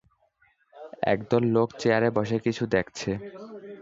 একদল লোক চেয়ারে বসে কিছু দেখছে